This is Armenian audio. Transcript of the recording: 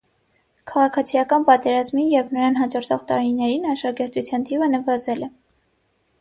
Քաղաքացիական պատերազմի և նրան հաջորդող տարիներին աշակերտության թիվը նվազել է։